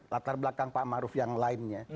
latar belakang pak maruf yang lainnya